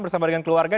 bersama dengan keluarga